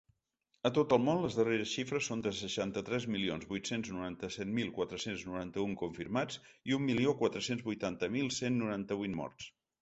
A tot el món, les darreres xifres són de seixanta-tres milions vuit-cents noranta-set mil quatre-cents noranta-un confirmats i un milió quatre-cents vuitanta mil cent noranta-vuit morts.